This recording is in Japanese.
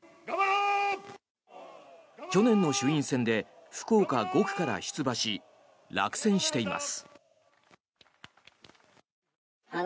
去年の衆院選で福岡５区から出馬し落選しています。